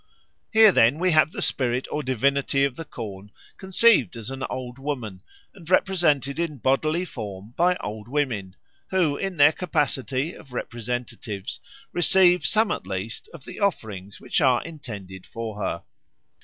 Here then we have the spirit or divinity of the corn conceived as an Old Woman and represented in bodily form by old women, who in their capacity of representatives receive some at least of the offerings which are intended for her.